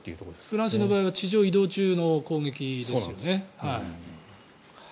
フランスの場合は地上移動中の攻撃ですよね。